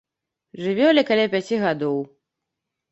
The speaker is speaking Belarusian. Жывёле каля пяці гадоў.